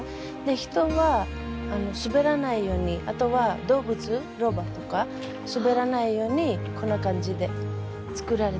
人は滑らないようにあとは動物ロバとか滑らないようにこんな感じで作られています。